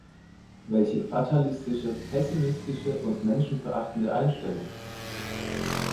Welche fatalistische, pessimistische und menschenverachtende Einstellung!